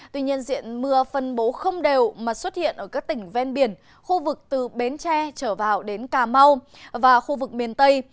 tuy nhiên diện mưa phân bố không đều mà xuất hiện ở các tỉnh ven biển khu vực từ bến tre trở vào đến cà mau và khu vực miền tây